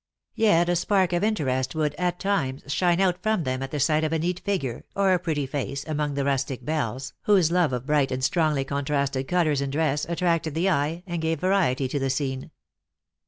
Yet a .spark of interest would, at times, shine out from them at the sight of a neat figure, or a pret ty face, among the rustic belles, whose love of bright and strongly contrasted colors in dress, attracted the eye, and gave variety to the scene.